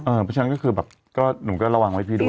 เพราะฉะนั้นก็คือแบบก็หนูก็ระวังไว้พี่ด้วย